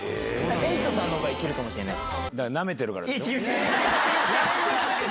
エイトさんのほうがいけるかもしれないです。